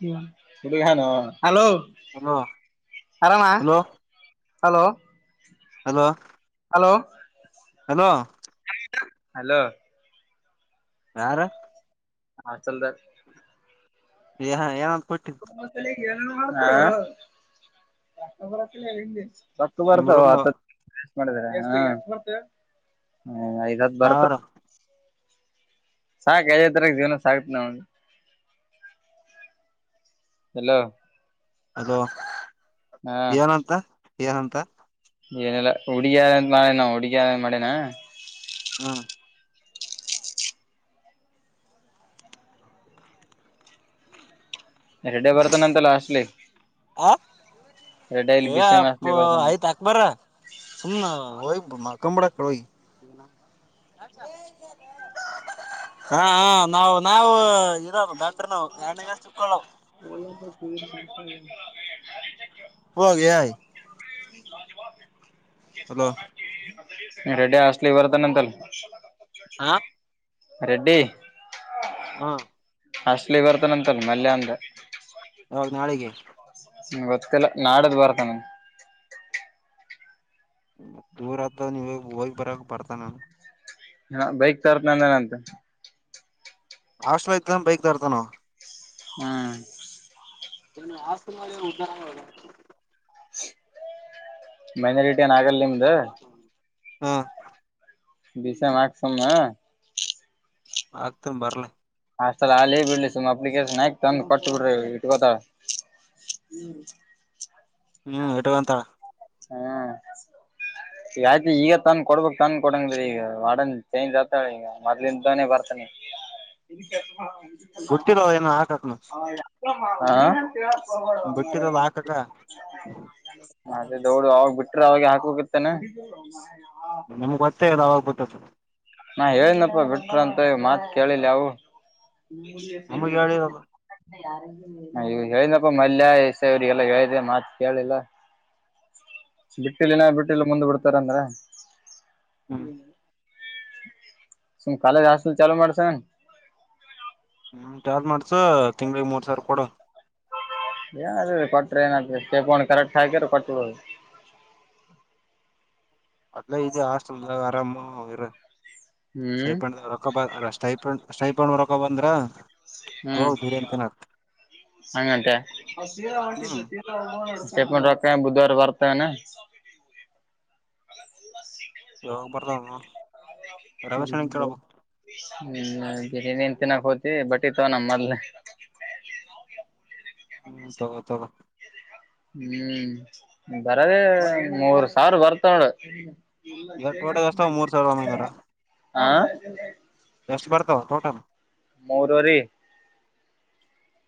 [unintelligible] Hello hello ಆರಾಮ hello hello hello hello hello hello ಯಾರ ಹಾ ಚಲ್ದ್ ಏ ಏನಂತ ಕೊಟ್ಟಿ [unintelligible] ಸತ್ತು ನಿಮ್ ಬರ್ತಾವ ರೂಮ್ ನವ ತತ್ತ ಮಾಡ್ ಹ ಐದು ಹತ್ ಬರ್ತವ್ ಸಾವಿರ ಸಾಕ್ ತ ಜೀವನ ಸಾಕ ನ [unintelligible] ಎಲ್ಲೋ ಹಲೋ ಹಾ ಏನಂತ ಏನಂತ ಏನಿಲ್ಲ ಹುಡಿಯಾರ ಮಾಡಳೆನಾ ಹುಡಿಯರ್ ಮಾಡೆನಾ ಹ ಎರಡೆ ಬರ್ತ ನಂತಲ್ಲ ಹಾಸ್ಟಲಿ ಆ ಏ ಅಪ್ಪ ಆಯ್ತ್ ಹಾಕ್ ಬಾರೊ ಸುಮ್ನೆ ಹಯ ಮ ಕಂ ಬಳ ಕಡೋ [unintelligible] ಹಾ ಹಾ ನಾವು ನಾವು ಇರೋದ್ ಡಾಕ್ಟರ್ ನಾವು ಎಣ್ಣಗ ಚಿಕ್ಕಳಾವು. ತ [unintelligible] ಹಾಗಯಿ [unintelligible] ಜವಾ ಸ [unintelligible] ರೆಡ್ಡಿ ಹಾಸ್ಟೆಲಿಗೆ ಬರತ್ತ್ ಅಂತ ಅಲ್ಲ ಹ ರೆಡ್ಡಿ ಹಾ ಹಾಸ್ಟಲಿ ಬರ್ತಾನಂತಲ್ ಮಲ್ಯ ಅಂ ಆವಾಗ ನಾಳೆಗೆ ಗೊತ್ತಿಲ್ಲ ನಾಳಿದ್ದ್ ಬರ್ತನಂತೆ ದೂರ ಆತ್ರ ನೀವ ಹೋಗ್ ಬರಕ್ ಬರ್ತ ನಾನು ಹ ಬೈಕ್ ತರುತ್ತಾನೆ ಅಂತ ಹಾಸ್ಟೆಲ್ ಇರತಾನೊ ಬೈಕ್ ತರ್ತಾನೊ? ಹ್ಮ್ ನಿ ಆಸ್ತ ಮಾಡಳ ಉಗ [unintelligible] ಮೈನಾರಿಟಿ ಏನ್ ಆಗಲ್ಲ ನಿಮ್ದ್ ಹ್ಮ ಬಷೆ ಮಗ್ಸಮ [unintelligible] ಆಗ್ತನಿ ಬರ್ಲೆ ಹಾಸ್ಟಲ್ ಅಲ್ಲಿ ಬಿಡ್ಲಿ ಸುಮನ್ ಅಪ್ಲಿಕೇಶನ್ ಹಾಕಿ ತಂದ ಕೊಟ್ಟ ಬಿಡ್ಬೇಕು ಇಟ್ಕೊತ್ತಾರ. ಹ್ಮ್ ಹ್ಮ್ ಇಟ್ಕೋಂತಾರ ಹಾ ಯಾಕ್ ಇಯಪ್ ಈಗ ತನ್ ಕೊಡ್ಬೇಕ್ ತನ್ ಕೊಡಂಗ ಈಗ ವಾರ್ಡನ್ ಚೇಂಜ್ ಆಗ್ತಾರ್ ಈಗ ಮೊದ್ಲಿಂದನೆ ಬರ್ತೆನ್ ವಿಷ [unintelligible] ಗೊತ್ತಿರೋ ಏನು ಹಾಕಕ್ನ ಪಡ ಬಿಟ್ಟಿರಲ್ಲ ಹಾಕಕ ಮತ್ತೆ ದೌಡು ಅವಾಗ ಬಿಟ್ರೆ ಅವಾಗ ಹಾಕ ಹೋಗತ್ತಾನ ನಿಮ್ಗ್ೊತ್ತೆದುಾವಾಗ್ಬಟ್ಟ ಸ ನಾ ಹೇಳನಪ್ಪ ಬಿಟ್ರ ಅಂತ ಮಾತ್ ಕೇಳಿಲ್ಲ ಅವು ನಮಗ್ ಹೇಳಿರಲ್ಲ ಮ ಇವ ಹೇಳನಪ್ಪ ಮಲ್ಯಸ ಇವ್ರಿಗೆಲ್ಲ ಹೇಳಿದೆ ಮಾತ್ ಕೇಳಿಲ್ಲ ಬಿಟ್ಟಿಲಿನ ಬಿಟ್ಟಲ್ಲಿ ಮುಂದ ಬಿಡ್ತಾರಂದ್ರ ಹ್ಮ್ ಶು ಕಾಾಲಜ ಹಾಸ್ಟಲ್ ಚಾಲೂ ಮಾಡಸ ಹ್ಮ ಚಾರ್ ಮಾಡ್ಸ ತಿಂಗಳಿಗೆ ಮೂರ್ ಸಾವಿರ ಕೊಡು ಯಾರ ಕೊಟ್ಟ ಕರೆಕ್ಟ್ ಕೊಟ್ಟ ಅದಲ್ಲ ಇದು ಹಾಸ್ಟೆಲ್ದಾಗ ಆರಾಮ ಇರ ಹ್ಮ್ ಸೈಪಂಡ ರೊಕ್ಕ ಬ ಸ್ಟೈಪ್ ಸ್ಟೈಪಂಡ ರೊಕ್ಕ ಬಂದ್ರ ಹೋಗ ಹ್ಮ್ ದುಡಿ ಅಂತ ತಿನ್ನಕ್. ಹಂಗಂತೆಂ ಹ್ಮ್ ಎಪ ರಕಾಯ ಬುಧವಾರ ವರ್ತಾಯ ಯೋಗ ಪರದ ಹ ಹ್ಮ ಬಿರಿಯಾನಿ ತಿನ್ನಾಕ್ ಹೋಗತಿವಿ ಬಟ್ ಇತವ ನಮ್ಮ ಮೊದ್ಲೆ ಹ್ಮ್ ತವ ತವಾ ಹ್ಮ್ ಬರದ ಮೂರ್ ಸಾವಿರ ಬರ್ತೊಂಡ ಎರಡು ೋಟೆಗೆ ಅಷ್ಟ ಮೂರ್ ಸಾವಿರದ ಒಂಬೈನೂರ ಆಾ ಎಷ್ಟು ಬರ್ತಾವ ಟೋಟಲ್ ಮೂರವರಿ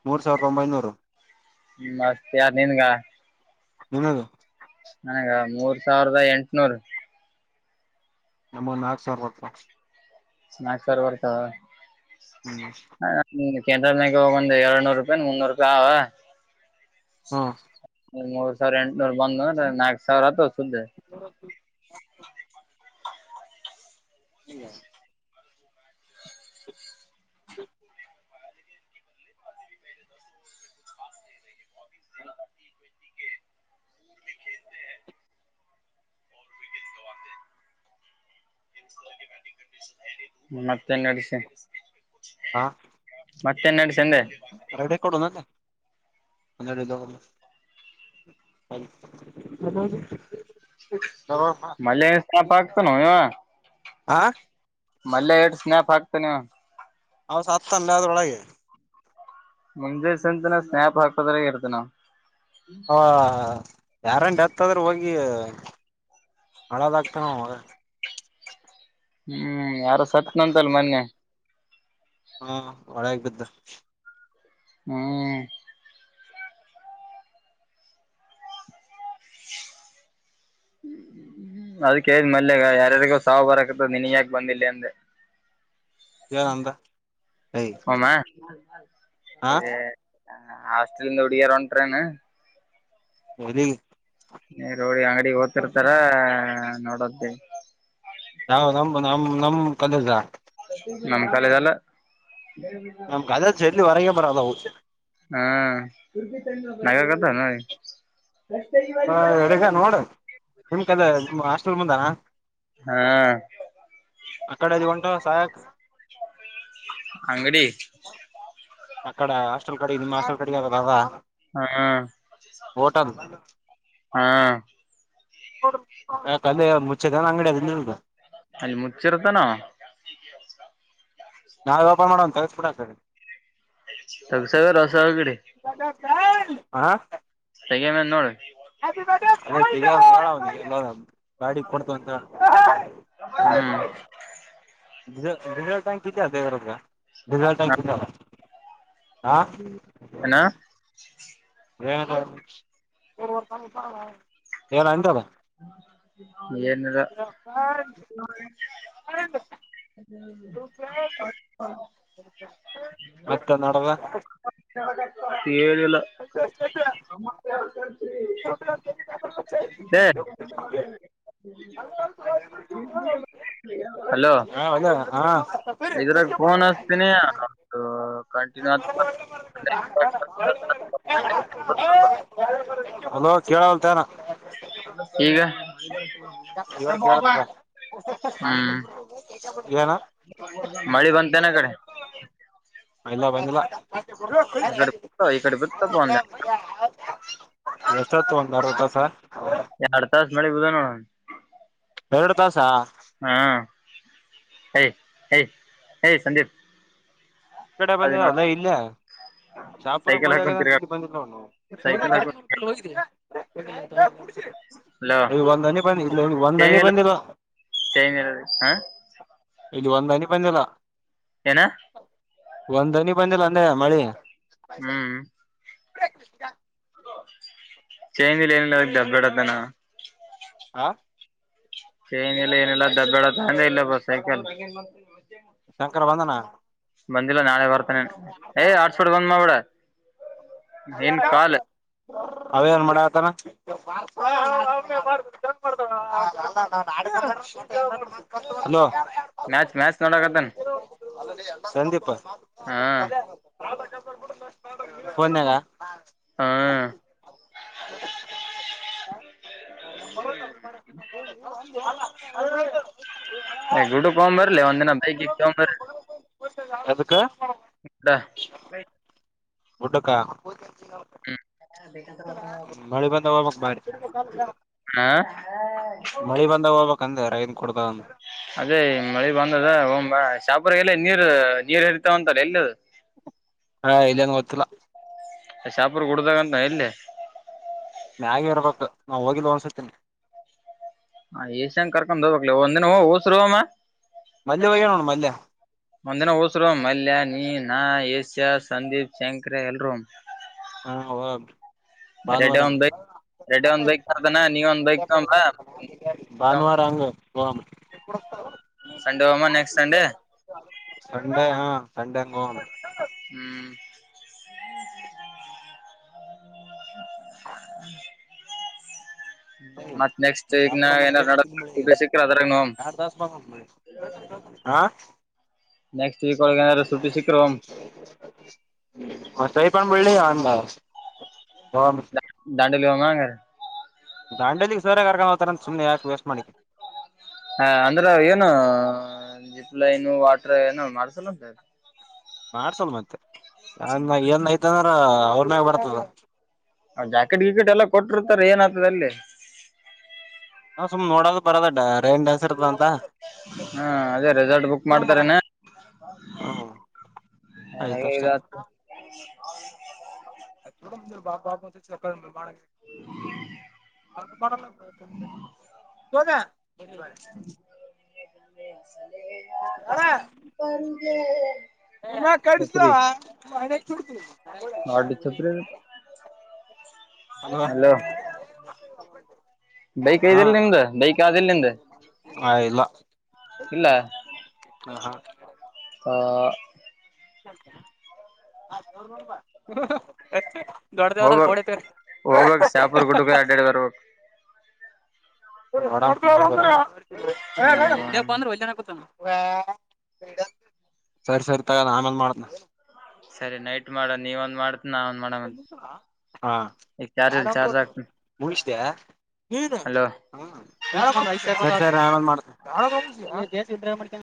ಮೂರ್ ಸಾವಿರದ ಒಂಬೈನೂರು ಯಾರು ನಿಂಗಾ ನಿನದು ನನಗ ಮೂರ್ ಸಾವಿರದ ಎಂಟನೂರು ನಮ್ಮ ನಾಕು ಸಾವಿರ ರ ನಾಲ್ಕು ಬರ್ತ ಹ್ಮ್ ಕೆಂಟಲ್ನ ಹೋಗ ಒಂದು ಎರಡುನೂರು ರೂಪಾಯಿ ಮುನ್ನೂರು ರೂಪಾಯಿ ಹಾ ಮೂರ್ ಸಾವಿರ ಎಂಟುನೂರ್ ಬಂದು ನಾಕಕ್ ಸಾವಿರ ಆತ ಸುದ್ದೆ ಅಲ್ಲ ಹ ಹೌ ಮತ್ತನ್ ಅಡಸ ಹ ಮತ್ತೆ ನಡ್ಸಂದೆ ಒರೆದು ಹ ಹ ಮಳೆ ಸಾಪ ಆಗ್ತ ನವ ಆಾ ಮಳೆ ಸ್ನ್ಯಾಪ್ ಹಾಕ್ತಾನೆ ನಾ ಸತ್ತ ಅಲ್ಲ ಅದ್ರೊಳಗೆ ಮುಂಜೆ ಸಂತನ ಸ್ನ್ಯಪ್ ಹಾಕ್ಕದ್ರ ಇರ್ತನಾ ಹಾ ಹಾ ಯಾರನ್ ಡೆತ್ ಆದ ಆದ್ರ ಹೋಗಿ ಹಳದಾಗಗ್ತೇನ ಹ್ಮ್ ಯಾರ ಸತ್ನಂತಲ್ ಮೊನ್ನೆ ಹಾ ಒಳಾಗ ಬ್ದ ಹ್ಮ್ ಹ್ಮ ಅದ್ ಕೇಳ್ ಮಲ್ಯಗ ಯಾರಾರ್ಗೂ ಸಾವ್ ಬರಕತದ ನೀನ್ ಯಾಕೆ ಬಂದಿಲ್ಲ ಅಂದೆ [inaudible] ಏನಂದ ಯ್ ಹೋಮ ಹ ಎ ಹಾಸ್ಟೆಲ್ ಹೊಡಗಿಯರು ಹೊಂಟ್ರೇನು ಹ್ಮ್ ನೀ ರೋಡಿ ಅಂಗಡಿಗೆ ಓತಿರ್ತಾರ ನೋಡೋದೇ ನಾ ನಮ್ ನಮ್ ನಮ್ ಕಾಲೇಜಾ ನಮ್ ಕಾಲೇಜ್ ಅಲ್ಲ ನಮ್ ಕಾಲೇಜ್ ಜರ್ಲಿ ಹೊರಗೆ ಬರಲ್ಲ ಅವು ಹಾ ನಗಕ್ ಹತನ ಹ ಎಡುಗ ನೋಡು ನಿಮ್ ಕದ ನಿಮಮ್ಮ ಹಾಸ್ಟೆಲ್ ಮುಂದಾನ ಹಾ ಅಕ್ಕಡೆ ಅದು ಒಂಟ ಸಾಕ್ ಅಂಗಡಿ ಆ ಕಡೆ ಹಾಸ್ಟೆಲ್ ಕಡೆ ನಿಮ್ಮ ಹಾಸ್ಟೆಲ್ ಕಡೆ ಆದಲ ಆದ ಹಾ ಹಾ ಯಾಕ್ ಅಲ್ಲಿ ಮುಚ್ಚೆದಾನ ಅಂಗಡಿಯ [unintelligible] ಅಲ್ಲಿ ಮುಚ್ಚಿರ್ತಾನ ನಾವೆ ಓಪನ್ ಮಾಡೋಣ್ [unintelligible] [unintelligible] ಹಾ ತೆಗ ನನ್ ನೋಡ್ [unintelligible] ಗಾಡಿ ಕೊಡ್ತಂತ ಹ್ಮ್ ತಕೊ ಡೀಸೆಲ್ ಟ್ಯಾಂಕ್ ಇತ್ತ [unintelligible] ಏನು ಏನ್ ಅಂದ್ರಲ್ಲ ಏನಿಲ್ಲ ಮತ್ತೆ ನಡದ [inaudible] ಏನು ಇಲ್ಲ ಏ [inaudible] ಹಲೋ ಒಳ್ಳೆ ಹಾ ಇದ್ರಾಗ ಫೋನ್ ಹಚ್ತೀನಿ ಕಂಟಿನ್ಯೂ ಹಲೋ ಕೇಳಲ್ತಾಯೇನೋ ಈಗ ಏನು ಮಳೆ ಬಂತೆನ್ ಅಕಡೆ ಇಲ್ಲ ಬಂದಿಲ್ಲ [unintelligible] ಎಷ್ಟ್ ಆತು ಒಂದ್ [unintelligible] ಎರಡ್ ತಾಸ್ ಮಾಡಿ [unintelligible] ಎರಡು ತಾಸ್ಸ ಹಾ ಏಯ್ ಏಯ್ ಸಂದೀಪ್ ಕಡೆ ಅದು ಬಂದಿ ನೋಡ ಹೊಲ್ಲ ಇಲ್ಲೆಯ ಶಾಪುರ ಸೈಕಲ್ ಮಳಿ ಹಾಕೊಂಡ್ ಆಗದ ತಿರ್ಗಾಡ್ ಇಲ್ಲಿ ಬಂದಿಲ್ಲ ಅವನು ಸೈಕಲ್ ಹಾಕೊಂಡ್ ತಿರ್ಗಾಡ್ ಹಲೋ ಈ ಒಂದ್ ಹನಿ ಬಂದ್ ಇಲ್ಲ ಒಂದ್ ಚೈನ್ ಹನಿ ಇಲ್ಲ ಬಂದಿಲ್ಲ [unintelligible] ಇಲ್ಲಿ ಒಂದ್ ಹನಿ ಬಂದಿಲ್ಲ ಏನ ಒಂದ್ ಹನಿ ಬಂದಿಲ್ಲ ಅಂದೆ ಮಳೆ ಹ್ಮ್ ಹೇ ಕೃಷ್ಣ ಚೇಂಜ್ ಏನ್ ಏನಿಲ್ಲ ಅಬ್ಬೇಡತಾನ ಹಾ ಚೈನ್ ಇಲ್ಲಿ ಏನಲ್ಲ ದಬ್ಬಾಳ ತಂದ ಇಲ್ಲ ಬ ಸೈಕಲ್ ಶಂಕರ ವಂದನಾ ಬಂದಿಲ್ಲ ನಾಳೆ ಬರ್ತಾನನೆ ಯ್ ಆಸ್ಫೋಟ್ ಬಂದ್ ಮಾಡಬಿಡ ಇನ್ ಕಾಲು ಅವೇ ಏನ್ ಮಾಡಾಕತ್ತಾನ [unintelligible] ಹಲೋ ಮ್ಯಾಚ್ ಮ್ಯಾಚ್ ನೋಡಕದನ್ ಸಂದೀಪ್ ಫೋನ್ನಂಗ ಹ್ಮ ಹಾ [unintelligible] [unintelligible] ಗುಟಕ್ ಹೋಗನ್ ಬರ್ಲಿಲ್ಲ ಒಂದಿನ ಬೈಕ್ ಗಿಕ್ ತಗೊಂಡು ಅದಕ್ಕ ಯಕ್ಡ ಗುಟುಕ್ಕ ಮಳಿ ಬಂದ ಮಕ್ ಬಾಲಿ ಹಾ ಹೋಗ್ಬಕ್ ಅಂದೆ ರೈನ್ ಕೊಡ್ದ ಅದೇ ಮಳಿ ಬಂದದ ಹೋಗನ್ ಬಾ ಚಾಪುರಗೆಲ್ಲ ನೀರು ನೀರ್ ಹರಿತಾವಂತಲ್ಲ ಎಲ್ಲದು ಹಾ ಇಲ್ಲಂಗಗೆ ಗೊತ್ತಿಲ್ಲ ಶಾಪರ್ ಕುಡ್ದಾಗ ಎಲ್ಲಿ ಮ್ಯಾಗ ಇರ್ಬೇಕು ನಾ ಹೋಗಿದ್ದು ಅನ್ಸತೀನಿ ಹ ಏಷನ್ ಕರ್ಕೊಂಡ್ ದ ಒಂದಿನ ಉಸ್ರುಮ ಮಲ್ಲೆ ಹೋಗ್ಯ ನೋಡ್ ಮಲ್ಲೆ ಒಂದಿನ ಹುಸ್ರ ಮಲ್ಲಯ ನೀ ನಾ ಎಸ ಶ್ಯ ಸಂದೀಪ್ ಶಂಕರೆ ಎಲ್ರೂ ಹಾ ಹೋ ರೆಡಿ ಒಂದೈ ರೆಡಿ ಒಂದೈತ ಅದಾನ ನೀವ ಒಂದಐಕ್ತಂಬ ಭಾನುವಾರ ಅಂಗ್ ಎಪ್ಪಡಸ್ಾವ ಸಂಡೇವಾಮ ನೆಕ್ಸ್ಟ್ ಸಂಡೆ ಸಂಡೇ ಹಾ ಸಂಡೆ ಹೋಮ ಹ್ಮ್ [inaudible] ಮತ್ ನೆಕ್ಸ್ಟ್ ವೀಕ್ ಶಾಪರ ನ ಮ ಏನಾರ ನಡ ತಿಲ್ಲಿ ಮ ಸುಟಿ ಸಿಕ್ಕ್ರ ಅದ್ರಾಗ ನೋಮ್ ಆರ್ದಾಸ ಬ [unintelligible] ಹಾ ನೆಕ್ಸ್ಟ್ ವೀಕ್ ಒಳಗ ಏನಾರ ಸುಟಿ ಸಿಕ್ಕ್ರ ಹೋಮ್ ಹ ಸರಿಬಾ ಬೆಳಿ ಅಂದ ಹೋಗಮ್ ದ ದಾಂಡೇಲಿ ಹೋಮ ದಾಂಡೇಲಿಗೆ ಸರ್ರೆ ಕರ್ಕೊಂಡ ಹ್ತಾರ ಸುಮ್ನೆ ಯಾಕೆ ವೇಸ್ಟ್ ಮಣಿಕ್ಕೆ ಹಾ ಅಂದ್ರೆ ಏನು ಜಿಪ್ ಲೈನು ವಾಟರ್ ಏನ ಮಾಡ್ಸಲ್ಲ ಅಂತೆ ಮಾಡಸಲ್ ವತ್ತೆ ಅ ಏನ್ ಐತಂದ್ರ ಅವ್ರನಾಗ ಬರ್ತದ ಹತಾರೆ ಏನ ಆ್ತದೆ ಅಲ್ಲಿ ಬರದಡ್ಡ ರೈನ್ ಡಾನ್ಸ್ ಬ ಹಾ ಅದೇ ರೆಸಾರ್ಟ್ ಬುಕ್ ಮಾಡ್ತಾರೆನ ಹ್ಮ್ ನ ಆಯ್ತ ಅಷ್ಟೇ ಆತ್ತು ಬಾಾಪ ಮತ್ತ ಚಕಂಡ ಮಾಡಕ್ಕೆ ತಂದು ಬರಲ್ಲ ತೋದೆ ಬುದುವಾರ [unintelligible] ಪಾರುದೆ ನ ಕಡ್ಸತ ಗಾಡಿ ಛತ್ರಿ ಹಲೋ ಒ [unintelligible] ಬೈಕ್ ಐದೆಲ್ ನಿಮ್ದ ಬೈಕ್ ಆದಲ್ ನಿಮ್ದ ಆ ಇಲ್ಲ ಇಲ್ಲ ಹ ಹಾ ಹ ಹ ಎಷ್ಟ ದೊಡ್ಡದೇವರ ಹೋಗ್ಬೇಕ್ ಕೊಡಿತ ಹೋಗ್ಬೇಕ್ ಶಾಪುರ್ ಗುಡ್ಡಕ ಅಡ್ಡಾಡಿ ಬರ್ಬೇಕು ಇದಪ್ಪ ಹ್ಮ್ ಅಂದ್ರ ಒಲ್ನ ಕತ ಸರಿ ಸರಿ ತಗೋಲ್ಲ ಆಮೇಲ್ ಮಾಡತ್ನ ಸರಿ ನೈಟ್ ಮಾಡ ನೀವ ಒಂದ್ ಮಾಡ ಈಗ ಚಾರ್ಜ್ ಇಲ್ ಹಾರಾಮ್ ಚಾರ್ಜ್ ಹಾಕ್ತನ್ ಮು ನೀ ಹಲೋ [unintelligible] ಜಸ್ ಮಾಡ